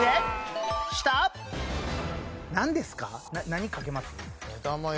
何かけます？